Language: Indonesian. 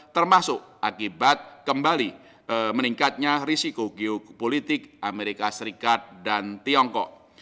termasuk akibat kembali meningkatnya risiko geopolitik amerika serikat dan tiongkok